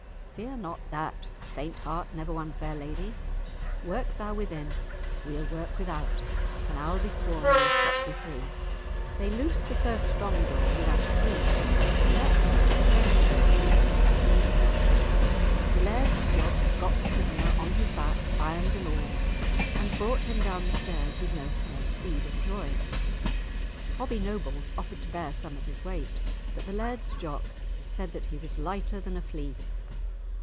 "Fear not that; faint heart never won fair lady. Work thou within, we'll work without, and I'll be sworn we'll set thee free." They loosed the first strong door without a key, the next chained door they split to flinders. The Laird's Jock got the prisoner on his back, irons and all, and brought him down the stairs with no small speed and joy. Hobbie Noble offered to bear some of his weight, but the Laird's Jock said that he was lighter than a flea.